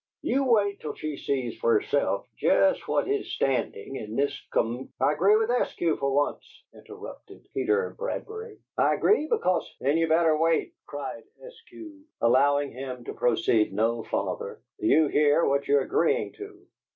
You wait till she sees for herself jest what his standing in this com " "I agree with Eskew for once," interrupted Peter Bradbury. "I agree because " "Then you better wait," cried Eskew, allowing him to proceed no farther, "till you hear what you're agreein' to!